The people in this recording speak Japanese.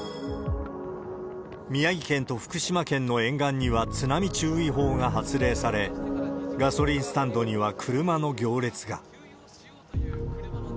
宮城県と福島県の沿岸には津波注意報が発令され、ガソリンスタンドには車の行列が。